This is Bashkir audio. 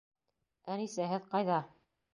Әнисә, һеҙ ҡайҙа?